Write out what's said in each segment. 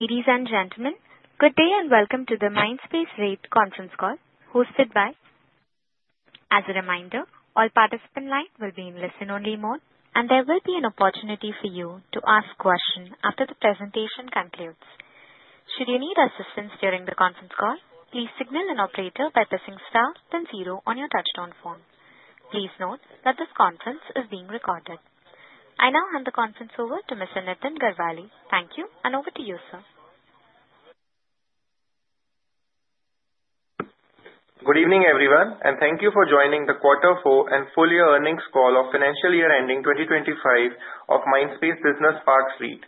Ladies and gentlemen, good day and welcome to the Mindspace REIT conference call, hosted by. As a reminder, all participant lines will be in listen-only mode, and there will be an opportunity for you to ask questions after the presentation concludes. Should you need assistance during the conference call, please signal an operator by pressing star then zero on your touch-tone phone. Please note that this conference is being recorded. I now hand the conference over to Mr. Nitin Garewal. Thank you, and over to you, sir. Good evening, everyone, and thank you for joining the quarter four and full year earnings call of financial year ending 2025 of Mindspace Business Parks REIT.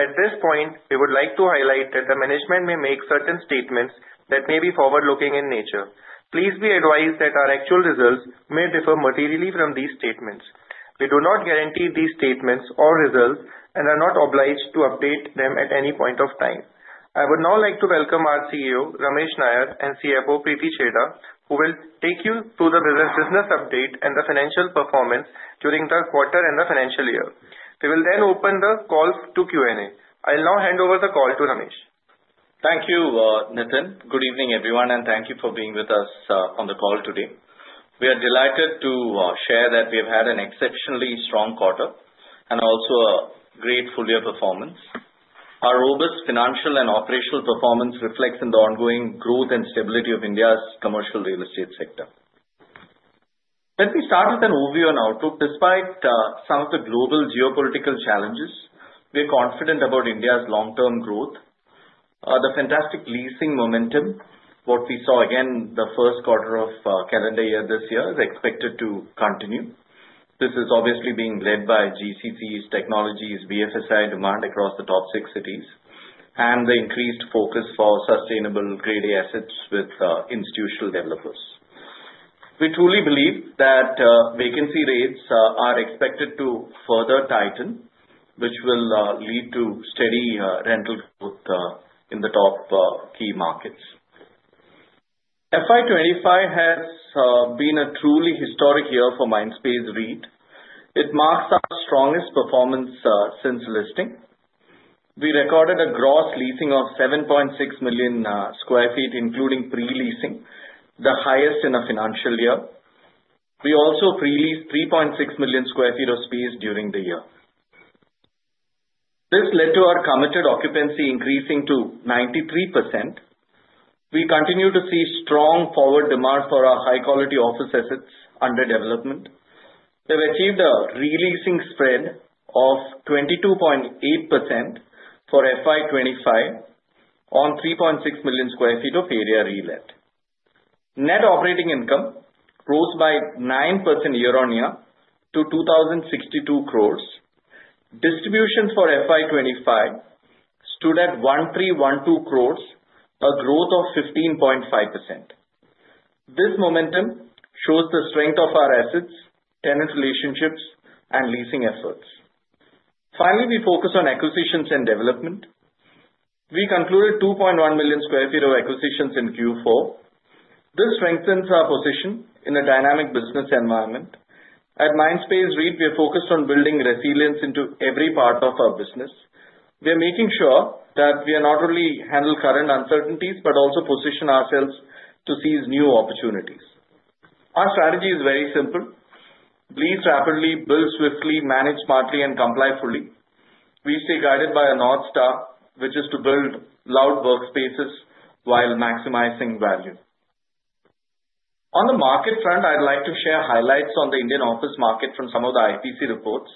At this point, we would like to highlight that the management may make certain statements that may be forward-looking in nature. Please be advised that our actual results may differ materially from these statements. We do not guarantee these statements or results and are not obliged to update them at any point of time. I would now like to welcome our CEO, Ramesh Nair, and CFO, Preeti Chheda, who will take you through the business update and the financial performance during the quarter and the financial year. We will then open the call to Q&A. I'll now hand over the call to Ramesh. Thank you, Nitin. Good evening, everyone, and thank you for being with us on the call today. We are delighted to share that we have had an exceptionally strong quarter and also a great full year performance. Our robust financial and operational performance reflects the ongoing growth and stability of India's commercial real estate sector. Let me start with an overview and outlook. Despite some of the global geopolitical challenges, we are confident about India's long-term growth. The fantastic leasing momentum, what we saw again the first quarter of calendar year this year, is expected to continue. This is obviously being led by GCCs, technologies, BFSI demand across the top six cities, and the increased focus for sustainable grade A assets with institutional developers. We truly believe that vacancy rates are expected to further tighten, which will lead to steady rental growth in the top key markets. FY25 has been a truly historic year for Mindspace REIT. It marks our strongest performance since listing. We recorded a gross leasing of 7.6 million sq ft, including pre-leasing, the highest in a financial year. We also pre-leased 3.6 million sq ft of space during the year. This led to our committed occupancy increasing to 93%. We continue to see strong forward demand for our high-quality office assets under development. We've achieved a re-leasing spread of 22.8% for FY25 on 3.6 million sq ft of area re-let. Net operating income rose by 9% year-on-year to 2,062 crore. Distributions for FY25 stood at 1,312 crore, a growth of 15.5%. This momentum shows the strength of our assets, tenant relationships, and leasing efforts. Finally, we focus on acquisitions and development. We concluded 2.1 million sq ft of acquisitions in Q4. This strengthens our position in a dynamic business environment. At Mindspace REIT, we are focused on building resilience into every part of our business. We are making sure that we not only handle current uncertainties but also position ourselves to seize new opportunities. Our strategy is very simple: lease rapidly, build swiftly, manage smartly, and comply fully. We stay guided by a North Star, which is to build loved workspaces while maximizing value. On the market front, I'd like to share highlights on the Indian office market from some of the IPC reports.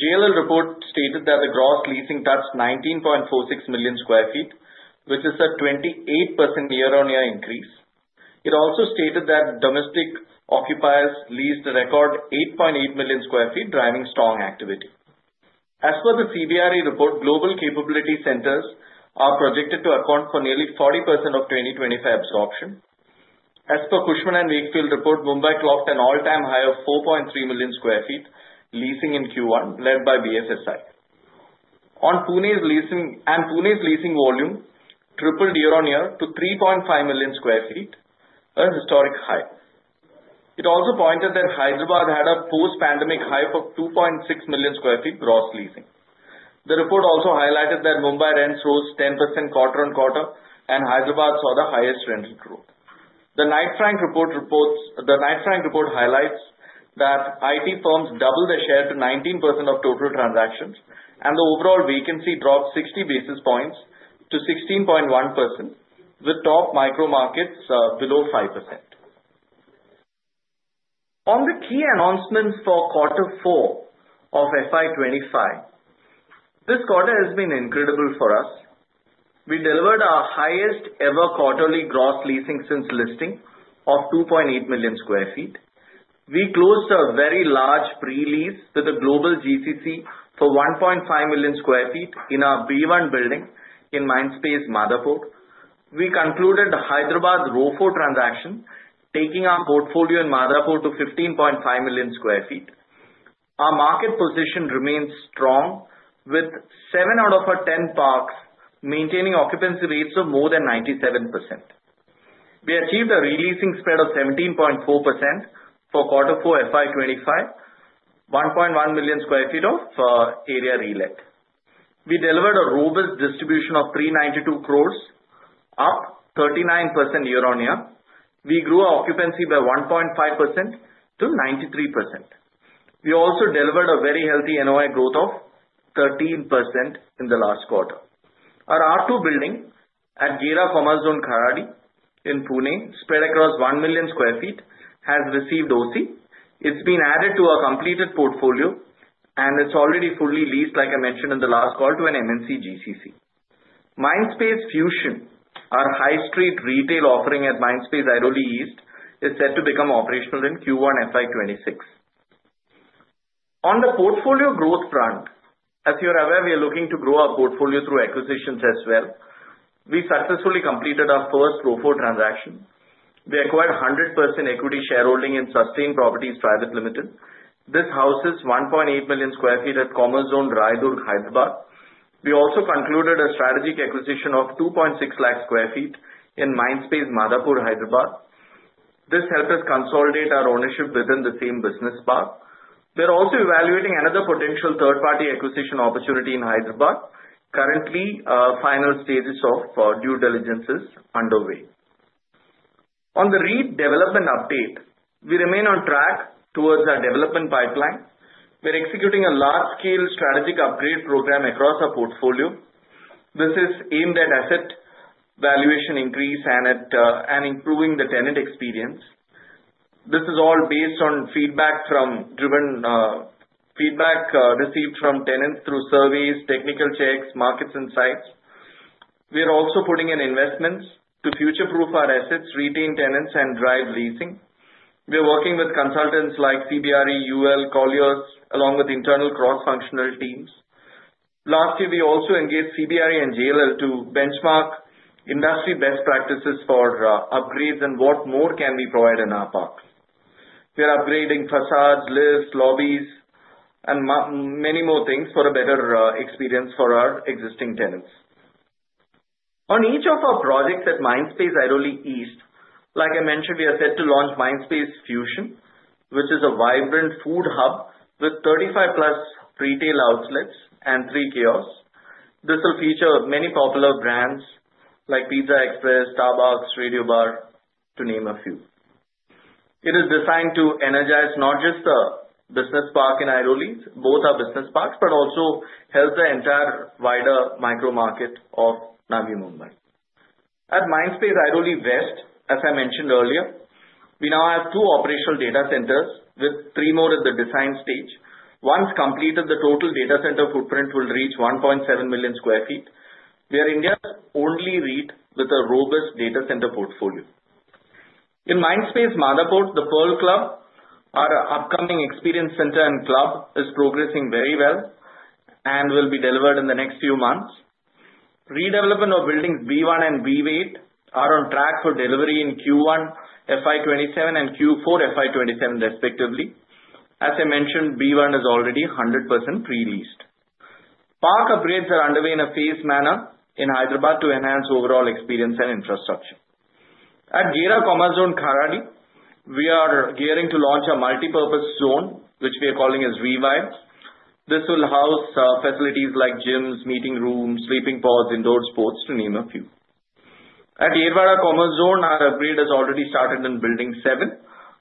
JLL report stated that the gross leasing touched 19.46 million sq ft, which is a 28% year-on-year increase. It also stated that domestic occupiers leased a record 8.8 million sq ft, driving strong activity. As per the CBRE report, global capability centers are projected to account for nearly 40% of 2025 absorption. As per Cushman & Wakefield report, Mumbai clocked an all-time high of 4.3 million sq ft leasing in Q1, led by BFSI. On Pune's leasing volume, it tripled year-on-year to 3.5 million sq ft, a historic high. It also pointed that Hyderabad had a post-pandemic high of 2.6 million sq ft gross leasing. The report also highlighted that Mumbai rents rose 10% quarter on quarter, and Hyderabad saw the highest rental growth. The Knight Frank report highlights that IT firms doubled their share to 19% of total transactions, and the overall vacancy dropped 60 basis points to 16.1%, with top micro markets below 5%. On the key announcements for quarter four of FY25, this quarter has been incredible for us. We delivered our highest ever quarterly gross leasing since listing of 2.8 million sq ft. We closed a very large pre-lease with a global GCC for 1.5 million sq ft in our B1 building in Mindspace, Madhapur. We concluded the Hyderabad ROFO transaction, taking our portfolio in Madhapur to 15.5 million sq ft. Our market position remains strong, with 7 out of 10 parks maintaining occupancy rates of more than 97%. We achieved a re-leasing spread of 17.4% for quarter four FY25, 1.1 million sq ft of area re-let. We delivered a robust distribution of 392 crore, up 39% year-on-year. We grew our occupancy by 1.5% to 93%. We also delivered a very healthy NOI growth of 13% in the last quarter. Our R2 building at Gera Commerzone, Kharadi in Pune, spread across 1 million sq ft, has received OC. It's been added to our completed portfolio, and it's already fully leased, like I mentioned in the last call, to an MNC GCC. Mindspace Fusion, our high-street retail offering at Mindspace, Airoli East, is set to become operational in Q1 FY 2026. On the portfolio growth front, as you're aware, we are looking to grow our portfolio through acquisitions as well. We successfully completed our first ROFO transaction. We acquired 100% equity shareholding in Sustain Properties Private Limited. This houses 1.8 million sq ft at Commerzone, Raidurg, Hyderabad. We also concluded a strategic acquisition of 260,000 sq ft in Mindspace, Madhapur, Hyderabad. This helped us consolidate our ownership within the same business park. We're also evaluating another potential third-party acquisition opportunity in Hyderabad. Currently, final stages of due diligence are underway. On the REIT development update, we remain on track towards our development pipeline. We're executing a large-scale strategic upgrade program across our portfolio. This is aimed at asset valuation increase and improving the tenant experience. This is all based on feedback received from tenants through surveys, technical checks, market insights. We are also putting in investments to future-proof our assets, retain tenants, and drive leasing. We are working with consultants like CBRE, UL, Colliers, along with internal cross-functional teams. Last year, we also engaged CBRE and JLL to benchmark industry best practices for upgrades and what more can we provide in our parks. We are upgrading facades, lifts, lobbies, and many more things for a better experience for our existing tenants. On each of our projects at Mindspace, Airoli East, like I mentioned, we are set to launch Mindspace Fusion, which is a vibrant food hub with 35-plus retail outlets and three kiosks. This will feature many popular brands like PizzaExpress, Starbucks, Radio Bar, to name a few. It is designed to energize not just the business park in Airoli; both are business parks, but also helps the entire wider micro market of Navi Mumbai. At Mindspace, Airoli West, as I mentioned earlier, we now have two operational data centers, with three more at the design stage. Once completed, the total data center footprint will reach 1.7 million sq ft. We are India's only REIT with a robust data center portfolio. In Mindspace, Madhapur, the Pearl Club, our upcoming experience center and club, is progressing very well and will be delivered in the next few months. Redevelopment of buildings B1 and B8 are on track for delivery in Q1 FY27 and Q4 FY27, respectively. As I mentioned, B1 is already 100% pre-leased. Park upgrades are underway in a phased manner in Hyderabad to enhance overall experience and infrastructure. At Gera Commerzone, Kharadi, we are gearing to launch a multipurpose zone, which we are calling Revive. This will house facilities like gyms, meeting rooms, sleeping pods, indoor sports, to name a few. At Gera Commerzone, our upgrade has already started in Building 7.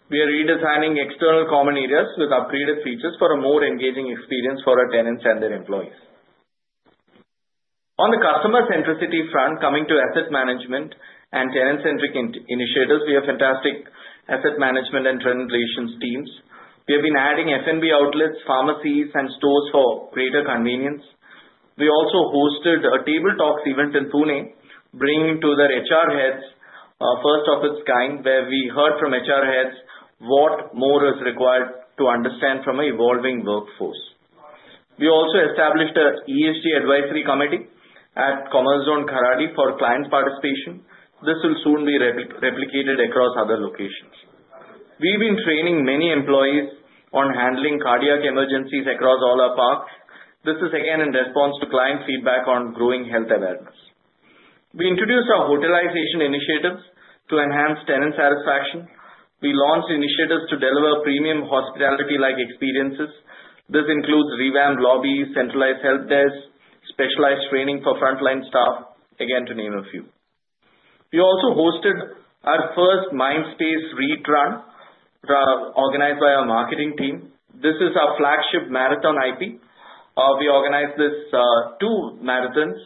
We are redesigning external common areas with upgraded features for a more engaging experience for our tenants and their employees. On the customer-centricity front, coming to asset management and tenant-centric initiatives, we have fantastic asset management and tenant relations teams. We have been adding F&B outlets, pharmacies, and stores for greater convenience. We also hosted a Table Talks event in Pune, bringing together HR heads, first of its kind, where we heard from HR heads what more is required to understand from an evolving workforce. We also established an ESG advisory committee at Commerzone, Kharadi, for client participation. This will soon be replicated across other locations. We've been training many employees on handling cardiac emergencies across all our parks. This is, again, in response to client feedback on growing health awareness. We introduced our hotelization initiatives to enhance tenant satisfaction. We launched initiatives to deliver premium hospitality-like experiences. This includes revamped lobbies, centralized help desks, specialized training for frontline staff, again, to name a few. We also hosted our first Mindspace REIT Run, organized by our marketing team. This is our flagship marathon IP. We organized two marathons,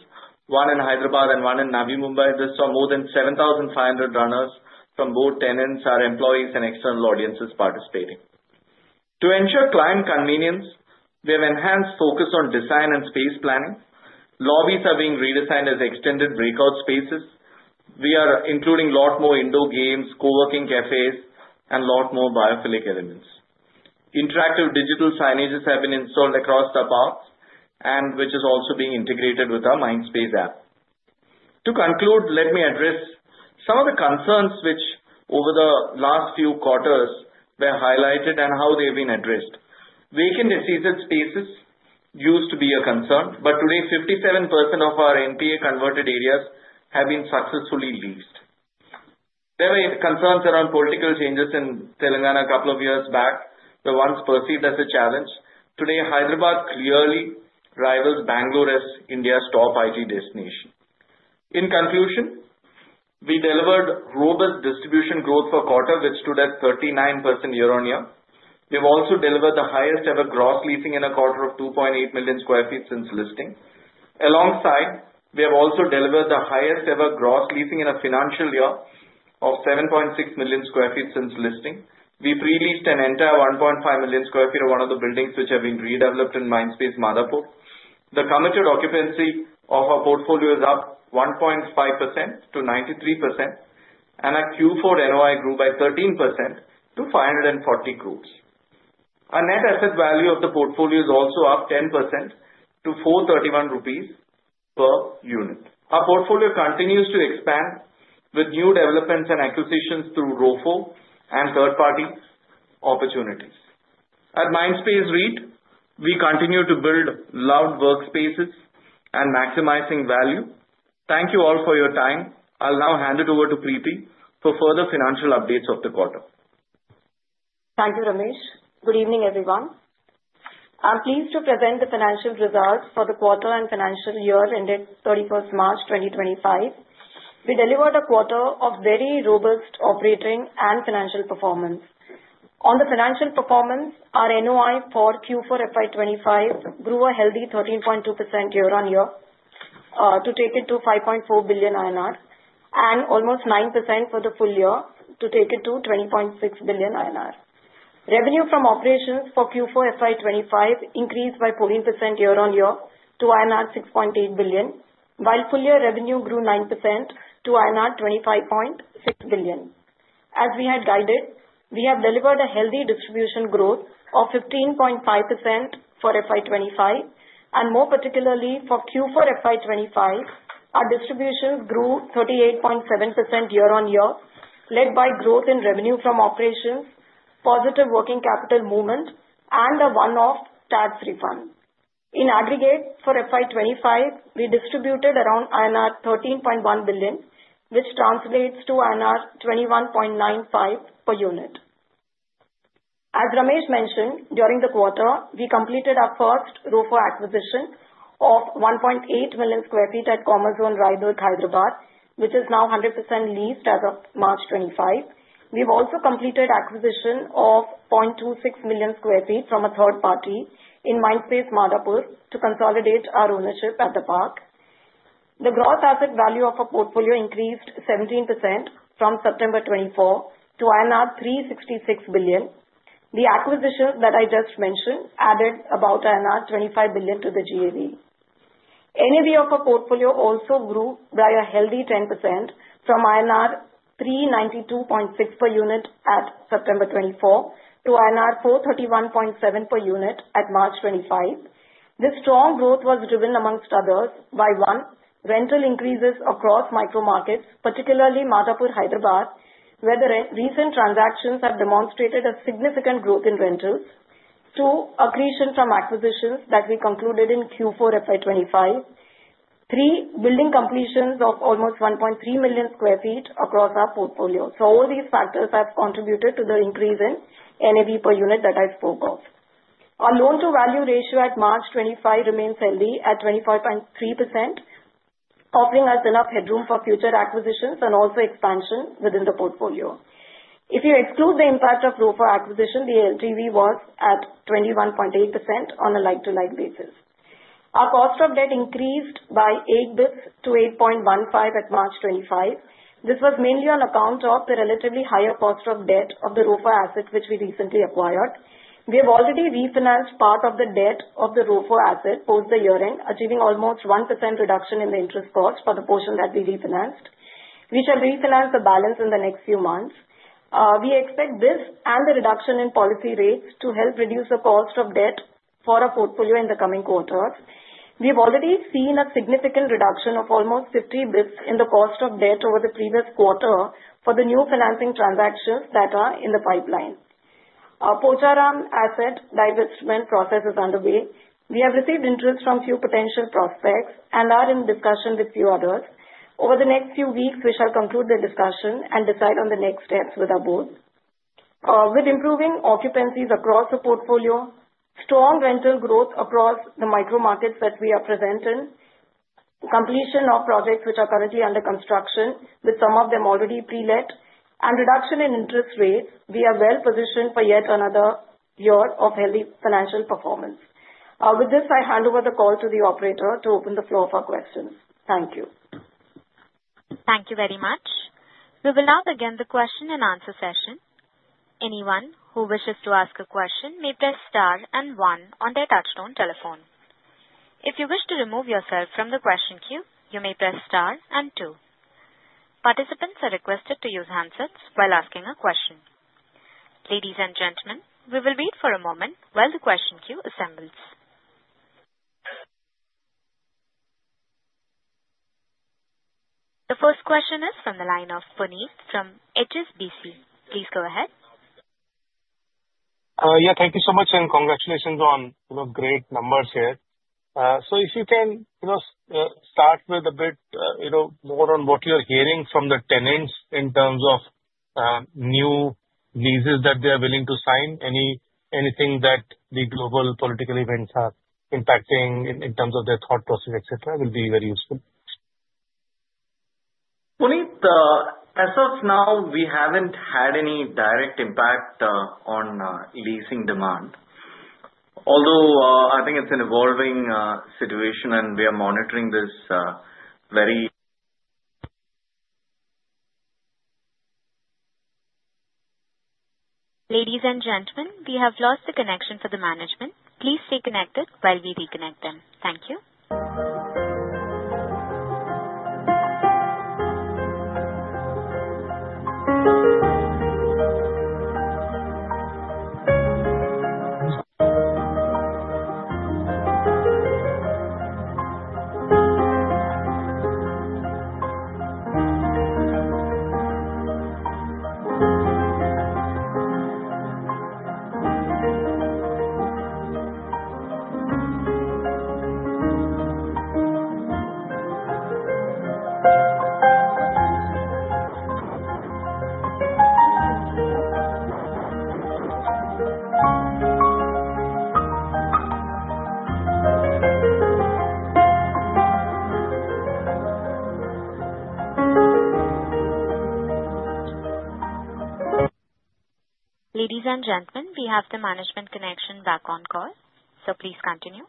one in Hyderabad and one in Navi Mumbai. This saw more than 7,500 runners from both tenants, our employees, and external audiences participating. To ensure client convenience, we have enhanced focus on design and space planning. Lobbies are being redesigned as extended breakout spaces. We are including a lot more indoor games, coworking cafes, and a lot more biophilic elements. Interactive digital signages have been installed across the parks, which are also being integrated with our Mindspace App. To conclude, let me address some of the concerns which, over the last few quarters, were highlighted and how they have been addressed. Vacant and SEZ spaces used to be a concern, but today, 57% of our NPA converted areas have been successfully leased. There were concerns around political changes in Telangana a couple of years back. The ones perceived as a challenge. Today, Hyderabad clearly rivals Bangalore as India's top IT destination. In conclusion, we delivered robust distribution growth for quarter, which stood at 39% year-on-year. We have also delivered the highest-ever gross leasing in a quarter of 2.8 million sq ft since listing. Alongside, we have also delivered the highest-ever gross leasing in a financial year of 7.6 million sq ft since listing. We pre-leased an entire 1.5 million sq ft of one of the buildings which have been redeveloped in Mindspace, Madhapur. The committed occupancy of our portfolio is up 1.5% to 93%, and our Q4 NOI grew by 13% to 5.4 billion. Our net asset value of the portfolio is also up 10% to 431 rupees per unit. Our portfolio continues to expand with new developments and acquisitions through ROFO and third-party opportunities. At Mindspace REIT, we continue to build loved workspaces and maximize value. Thank you all for your time. I'll now hand it over to Preeti for further financial updates of the quarter. Thank you, Ramesh. Good evening, everyone. I'm pleased to present the financial results for the quarter and financial year ended 31st March 2025. We delivered a quarter of very robust operating and financial performance. On the financial performance, our NOI for Q4 FY25 grew a healthy 13.2% year-on-year to take it to 5.4 billion INR and almost 9% for the full year to take it to 20.6 billion INR. Revenue from operations for Q4 FY25 increased by 14% year-on-year to INR 6.8 billion, while full-year revenue grew 9% to INR 25.6 billion. As we had guided, we have delivered a healthy distribution growth of 15.5% for FY25, and more particularly for Q4 FY25, our distributions grew 38.7% year-on-year, led by growth in revenue from operations, positive working capital movement, and a one-off tax refund. In aggregate, for FY25, we distributed around INR 13.1 billion, which translates to INR 21.95 per unit. As Ramesh mentioned, during the quarter, we completed our first ROFO acquisition of 1.8 million sq ft at Commerzone, Raidurg, Hyderabad, which is now 100% leased as of March 2025. We have also completed acquisition of 0.26 million sq ft from a third party in Mindspace, Madhapur, to consolidate our ownership at the park. The gross asset value of our portfolio increased 17% from September 2024 to INR 366 billion. The acquisition that I just mentioned added about INR 25 billion to the GAV. NAV of our portfolio also grew by a healthy 10% from INR 392.6 per unit at September 2024 to INR 431.7 per unit at March 2025. This strong growth was driven, amongst others, by, one, rental increases across micro markets, particularly Madhapur, Hyderabad, where the recent transactions have demonstrated a significant growth in rentals; two, accretion from acquisitions that we concluded in Q4 FY 2025; three, building completions of almost 1.3 million sq ft across our portfolio. All these factors have contributed to the increase in NAV per unit that I spoke of. Our loan-to-value ratio at March 2025 remains healthy at 25.3%, offering us enough headroom for future acquisitions and also expansion within the portfolio. If you exclude the impact of ROFO acquisition, the LTV was at 21.8% on a like-to-like basis. Our cost of debt increased by 8 basis points to 8.15% at March 2025. This was mainly on account of the relatively higher cost of debt of the ROFO asset, which we recently acquired. We have already refinanced part of the debt of the ROFO asset post the year-end, achieving almost 1% reduction in the interest cost for the portion that we refinanced. We shall refinance the balance in the next few months. We expect this and the reduction in policy rates to help reduce the cost of debt for our portfolio in the coming quarters. We have already seen a significant reduction of almost 50 basis points in the cost of debt over the previous quarter for the new financing transactions that are in the pipeline. Our Pocharam asset divestment process is underway. We have received interest from a few potential prospects and are in discussion with a few others. Over the next few weeks, we shall conclude the discussion and decide on the next steps with our board. With improving occupancies across the portfolio, strong rental growth across the micro markets that we are presenting, completion of projects which are currently under construction, with some of them already pre-let, and reduction in interest rates, we are well positioned for yet another year of healthy financial performance. With this, I hand over the call to the operator to open the floor for questions. Thank you. Thank you very much. We will now begin the question and answer session. Anyone who wishes to ask a question may press star and one on their touch-tone telephone. If you wish to remove yourself from the question queue, you may press star and two. Participants are requested to use handsets while asking a question. Ladies and gentlemen, we will wait for a moment while the question queue assembles. The first question is from the line of Puneet from HSBC. Please go ahead. Thank you so much, and congratulations on great numbers here. If you can start with a bit more on what you're hearing from the tenants in terms of new leases that they are willing to sign, anything that the global political events are impacting in terms of their thought process, etc., will be very useful. Puneet, as of now, we haven't had any direct impact on leasing demand, although I think it's an evolving situation, and we are monitoring this very closely. Ladies and gentlemen, we have lost the connection for the management. Please stay connected while we reconnect them. Thank you. Ladies and gentlemen, we have the management connection back on call, so please continue.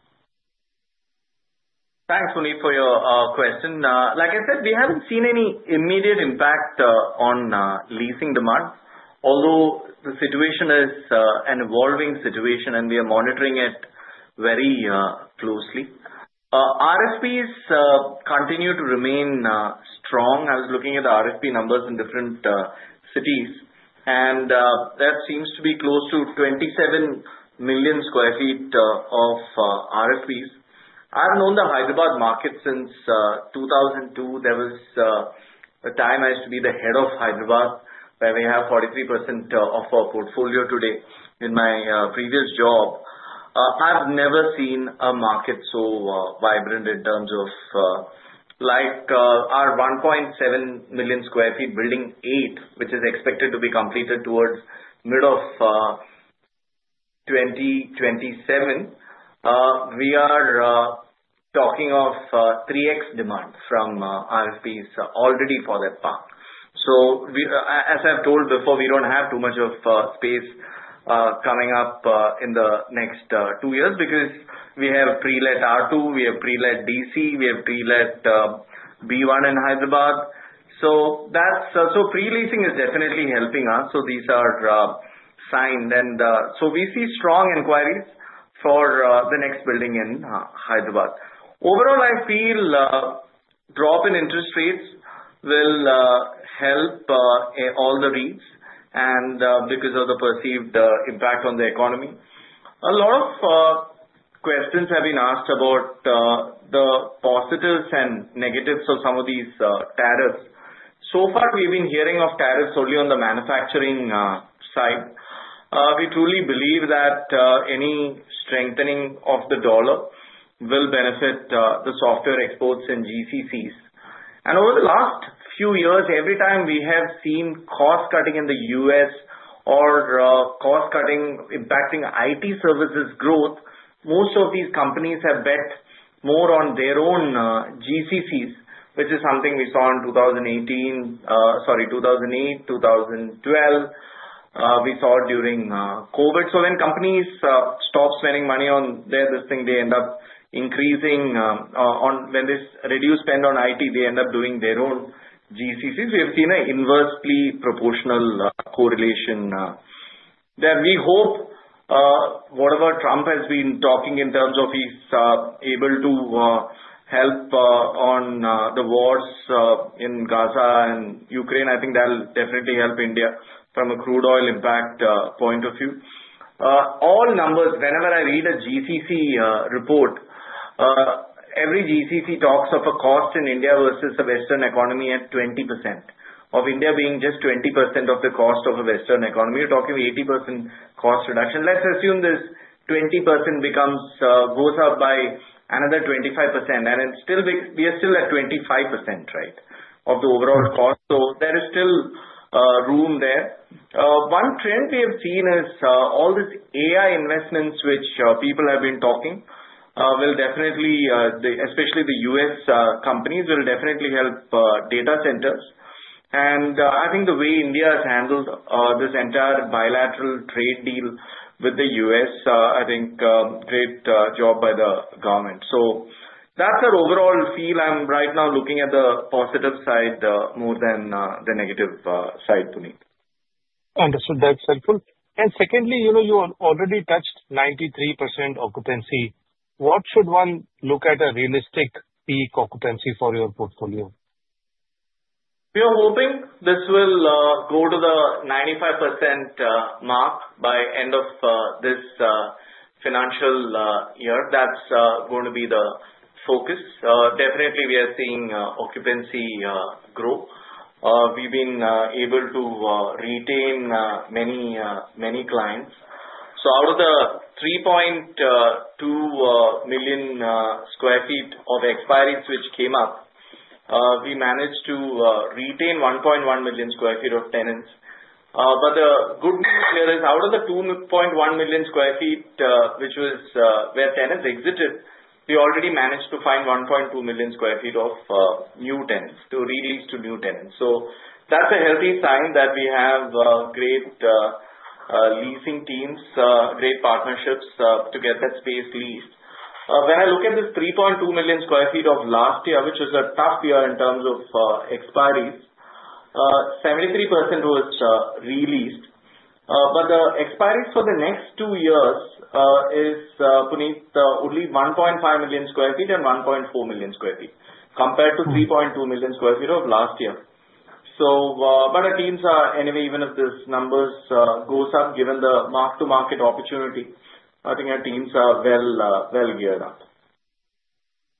Thanks, Puneet, for your question. Like I said, we haven't seen any immediate impact on leasing demand, although the situation is an evolving situation, and we are monitoring it very closely. RFPs continue to remain strong. I was looking at the RFP numbers in different cities, and that seems to be close to 27 million sq ft of RFPs. I've known the Hyderabad market since 2002. There was a time I used to be the head of Hyderabad, where we have 43% of our portfolio today. In my previous job, I've never seen a market so vibrant in terms of our 1.7 million sq ft building 8, which is expected to be completed towards the middle of 2027. We are talking of 3x demand from RFPs already for that park. As I've told before, we don't have too much space coming up in the next two years because we have pre-let R2, we have pre-let DC, we have pre-let B1 in Hyderabad. Pre-leasing is definitely helping us. These are signed, and we see strong inquiries for the next building in Hyderabad. Overall, I feel a drop in interest rates will help all the REITs because of the perceived impact on the economy. A lot of questions have been asked about the positives and negatives of some of these tariffs. So far, we've been hearing of tariffs only on the manufacturing side. We truly believe that any strengthening of the dollar will benefit the software exports and GCCs. Over the last few years, every time we have seen cost-cutting in the U.S. or cost-cutting impacting IT services growth, most of these companies have bet more on their own GCCs, which is something we saw in 2008, 2012. We saw during COVID. When companies stop spending money on their discretionary, they end up increasing. When they reduce spend on IT, they end up doing their own GCCs. We have seen an inversely proportional correlation there. We hope whatever Trump has been talking in terms of he's able to help on the wars in Gaza and Ukraine, I think that'll definitely help India from a crude oil impact point of view. All numbers, whenever I read a GCC report, every GCC talks of a cost in India versus the Western economy at 20%, of India being just 20% of the cost of the Western economy. You're talking 80% cost reduction. Let's assume this 20% goes up by another 25%, and we are still at 25% of the overall cost. There is still room there. One trend we have seen is all these AI investments, which people have been talking, will definitely, especially the US companies, will definitely help data centers. I think the way India has handled this entire bilateral trade deal with the US, I think, great job by the government. That's our overall feel. I'm right now looking at the positive side more than the negative side, Puneet. Understood. That's helpful. Secondly, you already touched 93% occupancy. What should one look at as a realistic peak occupancy for your portfolio? We are hoping this will go to the 95% mark by the end of this financial year. That's going to be the focus. Definitely, we are seeing occupancy grow. We've been able to retain many clients. Out of the 3.2 million sq ft of expiry, which came up, we managed to retain 1.1 million sq ft of tenants. The good news here is out of the 2.1 million sq ft, which was where tenants exited, we already managed to find 1.2 million sq ft of new tenants to release to new tenants. That's a healthy sign that we have great leasing teams, great partnerships to get that space leased. When I look at this 3.2 million sq ft of last year, which was a tough year in terms of expiries, 73% was released. The expiry for the next two years is, Puneet, only 1.5 million sq ft and 1.4 million sq ft compared to 3.2 million sq ft of last year. Our teams are, anyway, even if this number goes up, given the mark-to-market opportunity, I think our teams are well geared up.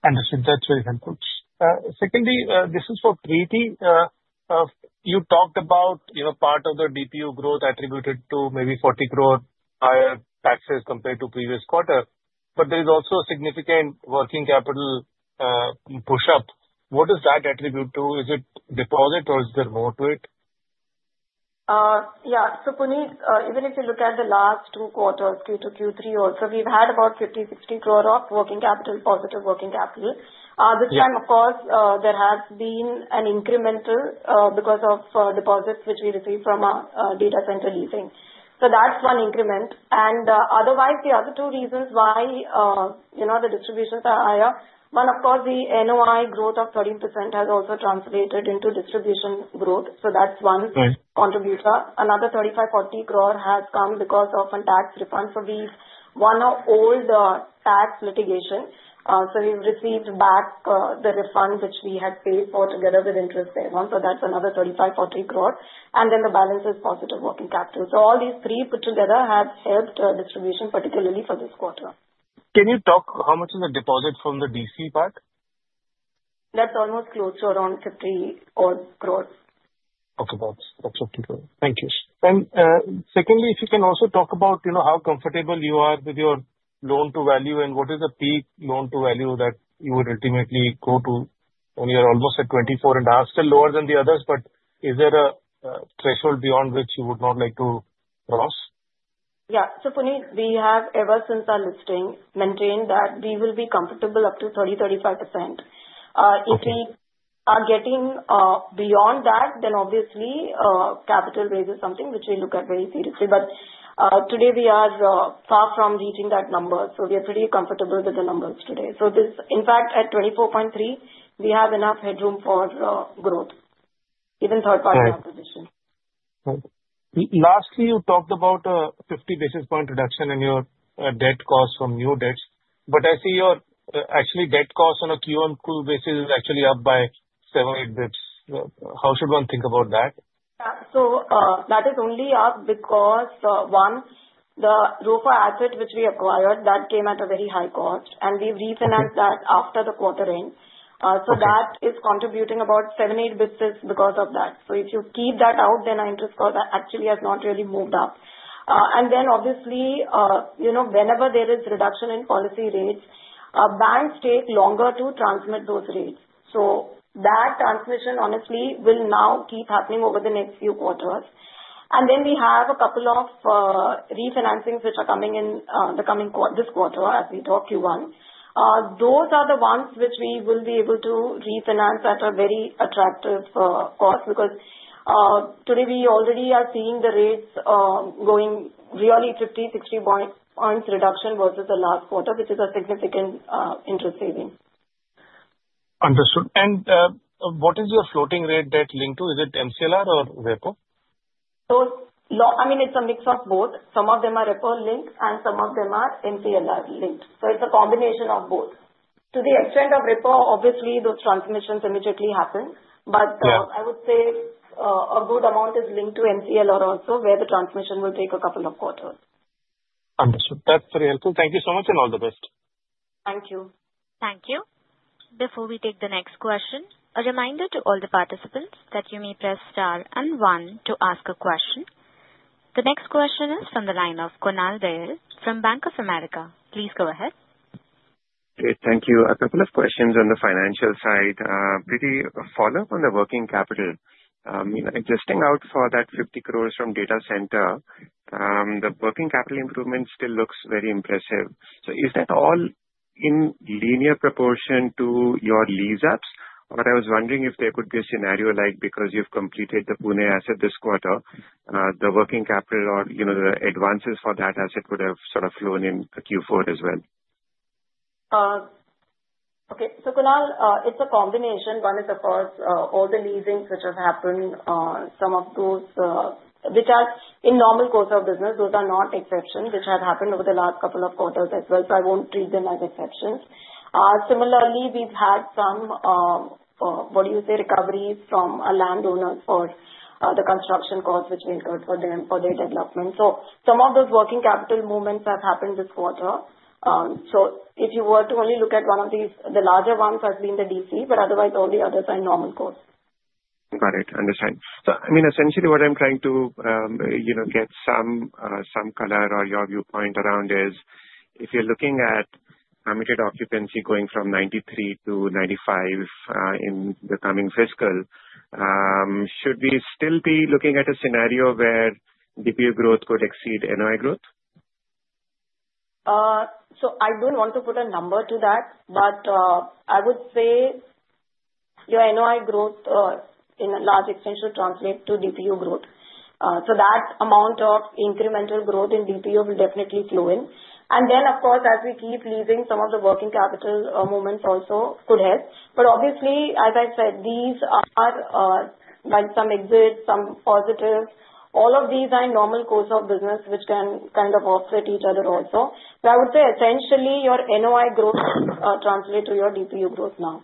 Understood. That's very helpful. Secondly, this is for Preeti. You talked about part of the DPU growth attributed to maybe 400 million higher taxes compared to previous quarter, but there is also significant working capital push-up. What does that attribute to? Is it deposit, or is there more to it? Yeah. Puneet, even if you look at the last two quarters, Q2, Q3 also, we've had about 50-60 crore of working capital, positive working capital. This time, of course, there has been an incremental because of deposits which we received from our data center leasing. That's one increment. Otherwise, the other two reasons why the distributions are higher, one, of course, the NOI growth of 13% has also translated into distribution growth. That's one contributor. Another 35-40 crore has come because of a tax refund for these. One old tax litigation. We've received back the refund which we had paid for together with interest payment. That's another 35-40 crore. The balance is positive working capital. All these three put together have helped distribution, particularly for this quarter. Can you talk how much is the deposit from the data centers part? That's almost closer to 50 crore. Okay. That's INR 50 crore. Thank you. Secondly, if you can also talk about how comfortable you are with your loan-to-value and what is the peak loan-to-value that you would ultimately go to when you're almost at 24.5, still lower than the others, but is there a threshold beyond which you would not like to cross? Yeah. Puneet, we have ever since our listing maintained that we will be comfortable up to 30-35%. If we are getting beyond that, then obviously capital raise is something which we look at very seriously. Today, we are far from reaching that number. We are pretty comfortable with the numbers today. In fact, at 24.3%, we have enough headroom for growth, even third-party acquisition. Lastly, you talked about a 50 basis point reduction in your debt cost from new debts. I see your actual debt cost on a Q1, Q2 basis is actually up by 7-8 basis points. How should one think about that? Yeah. That is only up because, one, the ROFO asset which we acquired, that came at a very high cost, and we refinanced that after the quarter end. That is contributing about 7-8 basis points because of that. If you keep that out, then our interest cost actually has not really moved up. Obviously, whenever there is reduction in policy rates, banks take longer to transmit those rates. That transmission, honestly, will now keep happening over the next few quarters. We have a couple of refinancings which are coming in this quarter as we talk Q1. Those are the ones which we will be able to refinance at a very attractive cost because today we already are seeing the rates going really 50-60 basis points reduction versus the last quarter, which is a significant interest saving. Understood. What is your floating rate that linked to? Is it MCLR or Repo? I mean, it's a mix of both. Some of them are Repo-linked, and some of them are MCLR-linked. It's a combination of both. To the extent of Repo, obviously, those transmissions immediately happen. I would say a good amount is linked to MCLR also, where the transmission will take a couple of quarters. Understood. That's very helpful. Thank you so much and all the best. Thank you. Thank you. Before we take the next question, a reminder to all the participants that you may press star and one to ask a question. The next question is from the line of Kunal Tayal from Bank of America. Please go ahead. Great. Thank you. I have a couple of questions on the financial side. Preeti follow-up on the working capital. Existing out for that 50 crore from data center, the working capital improvement still looks very impressive. Is that all in linear proportion to your lease apps? I was wondering if there could be a scenario like because you have completed the Pune asset this quarter, the working capital or the advances for that asset would have sort of flown in Q4 as well. Okay. So Kunal, it's a combination. One is, of course, all the leasings which have happened, some of those which are in normal course of business, those are not exceptions, which have happened over the last couple of quarters as well. I won't treat them as exceptions. Similarly, we've had some, what do you say, recoveries from a landowner for the construction costs which we incurred for their development. Some of those working capital movements have happened this quarter. If you were to only look at one of these, the larger ones have been the DC, but otherwise, all the others are in normal course. Got it. Understand. I mean, essentially, what I'm trying to get some color or your viewpoint around is if you're looking at permitted occupancy going from 93% to 95% in the coming fiscal, should we still be looking at a scenario where DPU growth could exceed NOI growth? I do not want to put a number to that, but I would say your NOI growth in a large extent should translate to DPU growth. That amount of incremental growth in DPU will definitely flow in. As we keep leasing, some of the working capital movements also could help. Obviously, as I said, these are some exits, some positives. All of these are in normal course of business, which can kind of offset each other also. I would say essentially, your NOI growth will translate to your DPU growth now.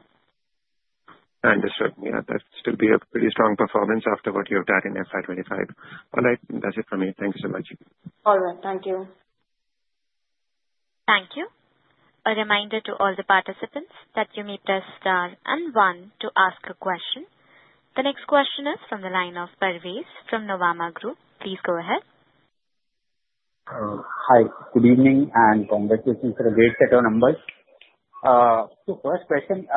Understood. Yeah. That would still be a pretty strong performance after what you've done in FY25. All right. That's it for me. Thank you so much. All right. Thank you. Thank you. A reminder to all the participants that you may press star and one to ask a question. The next question is from the line of Parvez from Nuvama Group. Please go ahead. Hi. Good evening and congratulations for a great set of numbers. First question,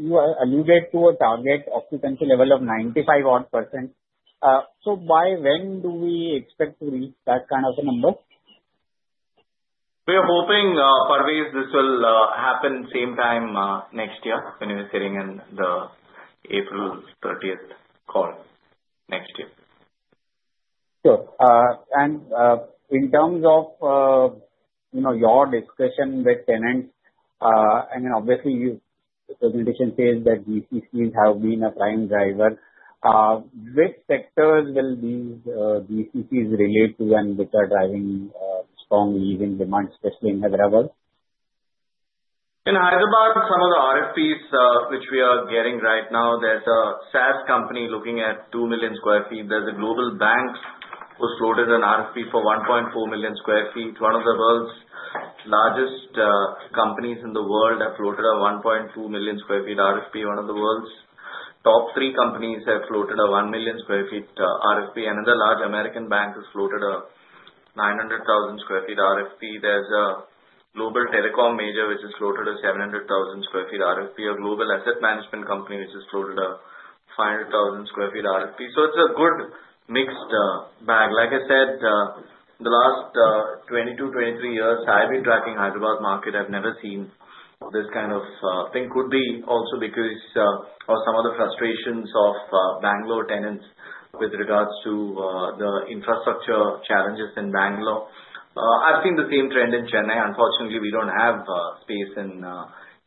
you alluded to a target occupancy level of 95% odd. By when do we expect to reach that kind of a number? We are hoping, Parvez, this will happen same time next year when we are sitting in the April 30th call next year. Sure. In terms of your discussion with tenants, I mean, obviously, the presentation says that GCCs have been a prime driver. Which sectors will these GCCs relate to and which are driving strong leasing demand, especially in Hyderabad? In Hyderabad, some of the RFPs which we are getting right now, there's a SaaS company looking at 2 million sq ft. There's a global bank who's floated an RFP for 1.4 million sq ft. One of the world's largest companies in the world have floated a 1.2 million sq ft RFP. One of the world's top three companies have floated a 1 million sq ft RFP. Another large American bank has floated a 900,000 sq ft RFP. There's a global telecom major which has floated a 700,000 sq ft RFP. A global asset management company which has floated a 500,000 sq ft RFP. It is a good mixed bag. Like I said, the last 22, 23 years, I've been tracking Hyderabad market. I've never seen this kind of thing. Could be also because of some of the frustrations of Bangalore tenants with regards to the infrastructure challenges in Bangalore. I've seen the same trend in Chennai. Unfortunately, we don't have space in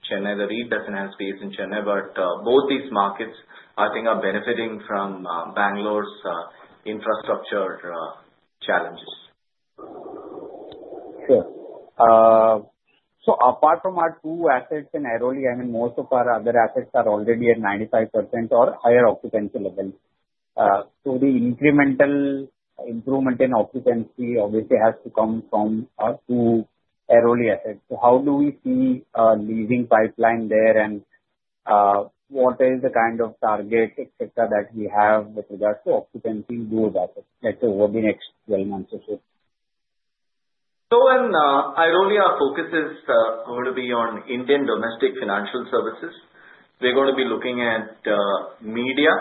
Chennai. The REIT doesn't have space in Chennai. Both these markets, I think, are benefiting from Bangalore's infrastructure challenges. Sure. Apart from our two assets in Airoli, I mean, most of our other assets are already at 95% or higher occupancy level. The incremental improvement in occupancy obviously has to come from our two Airoli assets. How do we see a leasing pipeline there and what is the kind of target, etc., that we have with regards to occupancy in those assets? Let's say over the next 12 months or so. In Airoli, our focus is going to be on Indian domestic financial services. We're going to be looking at media,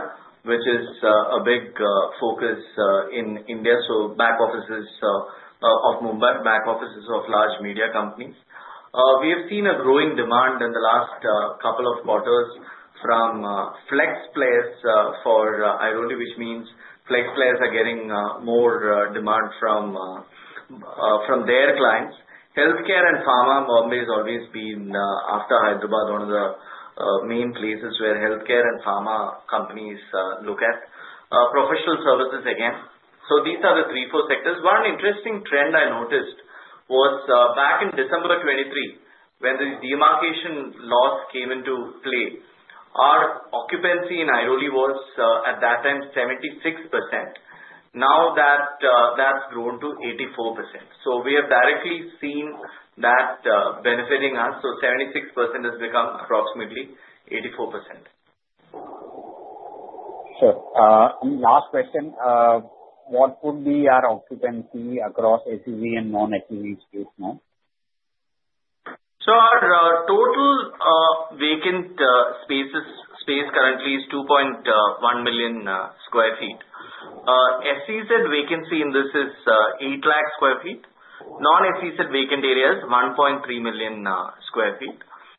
which is a big focus in India, so back offices of Mumbai, back offices of large media companies. We have seen a growing demand in the last couple of quarters from flex players for Airoli, which means flex players are getting more demand from their clients. Healthcare and pharma, Bombay has always been, after Hyderabad, one of the main places where healthcare and pharma companies look at professional services again. These are the three, four sectors. One interesting trend I noticed was back in December 2023, when the demarcation laws came into play, our occupancy in Airoli was at that time 76%. Now that's grown to 84%. We have directly seen that benefiting us. 76% has become approximately 84%. Sure. Last question, what would be our occupancy across SEZ and non-SEZ space now? Our total vacant space currently is 2.1 million sq ft. SEZ vacancy in this is 800,000 sq ft. Non-SEZ vacant area is 1.3 million sq ft.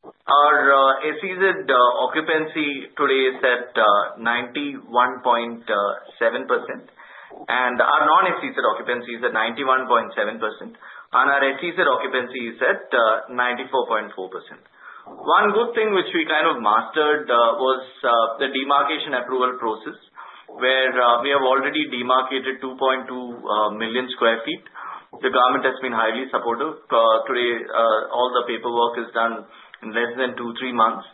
Our SEZ occupancy today is at 91.7%. Our non-SEZ occupancy is at 91.7%. Our SEZ occupancy is at 94.4%. One good thing which we kind of mastered was the demarcation approval process, where we have already demarcated 2.2 million sq ft. The government has been highly supportive. Today, all the paperwork is done in less than two-three months.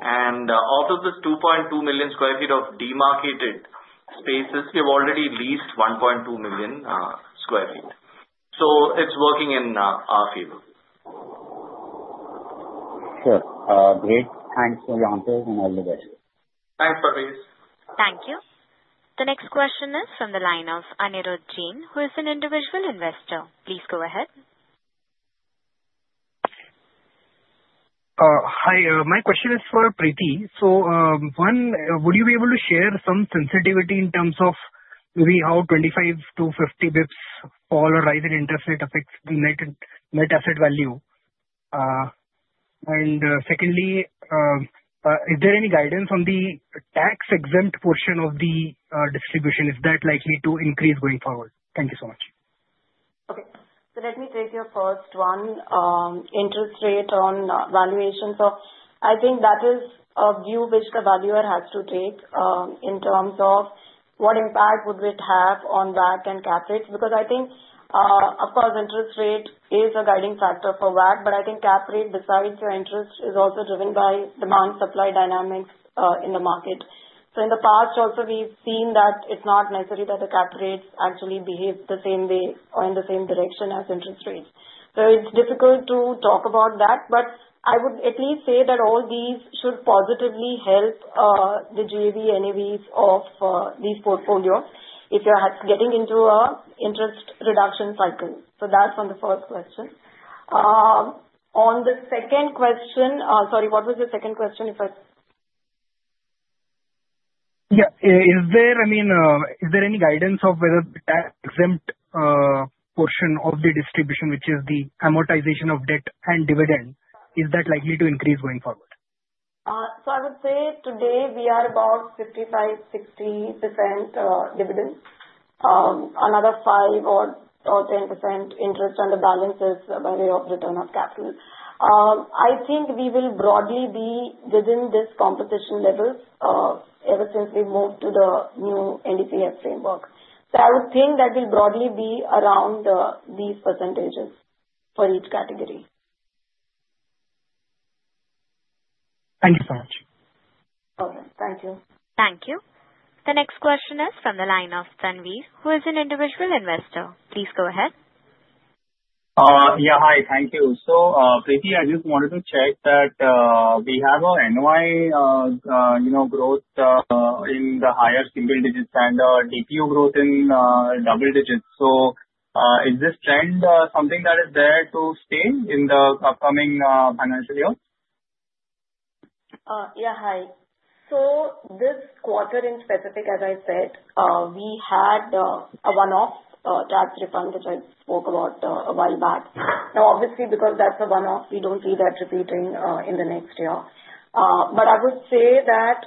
Out of this 2.2 million sq ft of demarcated spaces, we have already leased 1.2 million sq ft. It is working in our favor. Sure. Great. Thanks, Ramesh, and all the best. Thanks, Parvez. Thank you. The next question is from the line of Anirudh Jain, who is an individual investor. Please go ahead. Hi. My question is for Preeti. One, would you be able to share some sensitivity in terms of maybe how 25-50 basis points fall or rise in interest rate affects the net asset value? Secondly, is there any guidance on the tax-exempt portion of the distribution? Is that likely to increase going forward? Thank you so much. Okay. Let me take your first one, interest rate on valuations. I think that is a view which the valuer has to take in terms of what impact would it have on WACC and cap rates? I think, of course, interest rate is a guiding factor for WACC, but I think cap rate, besides your interest, is also driven by demand-supply dynamics in the market. In the past, also, we've seen that it's not necessary that the cap rates actually behave the same way or in the same direction as interest rates. It's difficult to talk about that, but I would at least say that all these should positively help the GAV NAVs of these portfolios if you're getting into an interest reduction cycle. That's on the first question. On the second question, sorry, what was the second question? Yeah. Is there, I mean, is there any guidance of whether the tax-exempt portion of the distribution, which is the amortization of debt and dividend, is that likely to increase going forward? I would say today we are about 55%-60% dividend, another 5%-10% interest on the balances by way of return of capital. I think we will broadly be within this composition level ever since we moved to the new NDCF framework. I would think that will broadly be around these percentages for each category. Thank you so much. All right. Thank you. Thank you. The next question is from the line of Tanveer, who is an individual investor. Please go ahead. Yeah. Hi. Thank you. Preeti, I just wanted to check that we have our NOI growth in the higher single digits and our DPU growth in double digits. Is this trend something that is there to stay in the upcoming financial year? Yeah. Hi. This quarter in specific, as I said, we had a one-off tax refund which I spoke about a while back. Now, obviously, because that's a one-off, we don't see that repeating in the next year. I would say that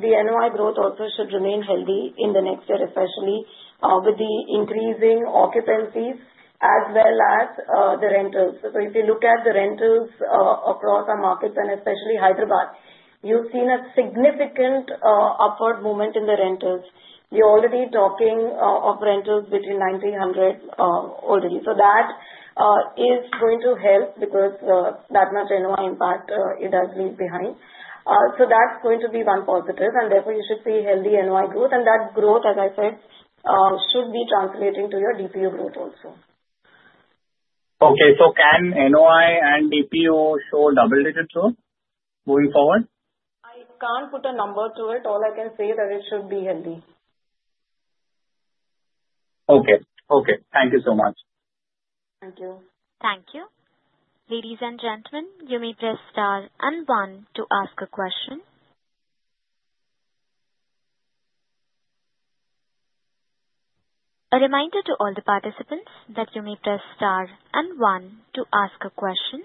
the NOI growth also should remain healthy in the next year, especially with the increasing occupancies as well as the rentals. If you look at the rentals across our markets and especially Hyderabad, you've seen a significant upward movement in the rentals. We're already talking of rentals between 90-100 already. That is going to help because that much NOI impact it has leave behind. That is going to be one positive. Therefore, you should see healthy NOI growth. That growth, as I said, should be translating to your DPU growth also. Okay. So can NOI and DPU show double digits though going forward? I can't put a number to it. All I can say is that it should be healthy. Okay. Okay. Thank you so much. Thank you. Thank you. Ladies and gentlemen, you may press star and one to ask a question. A reminder to all the participants that you may press star and one to ask a question.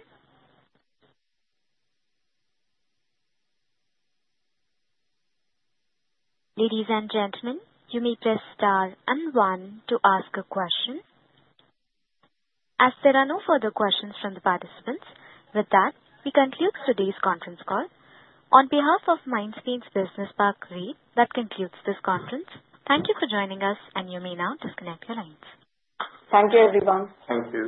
Ladies and gentlemen, you may press star and one to ask a question. As there are no further questions from the participants, with that, we conclude today's conference call. On behalf of Mindspace Business Parks REIT, that concludes this conference. Thank you for joining us, and you may now disconnect your lines. Thank you, everyone. Thank you.